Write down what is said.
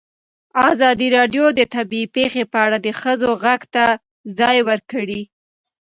ازادي راډیو د طبیعي پېښې په اړه د ښځو غږ ته ځای ورکړی.